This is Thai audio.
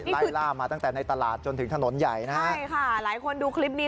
ไล่ล่ามาตั้งแต่ในตลาดจนถึงถนนใหญ่นะฮะใช่ค่ะหลายคนดูคลิปนี้